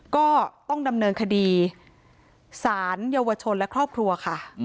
ก็ต้องดำเนินคดีสารเยาวชนและครอบครัวค่ะ